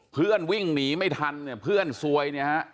เพื่อนวิ่งหนีไม่ทันเพื่อนซวย